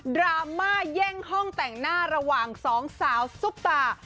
ดราม่าแย่งห้องแต่งหน้าระหว่างสองสาวซุปตา